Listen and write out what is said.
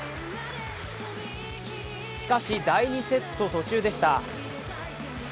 しかし、第２セット途中でした。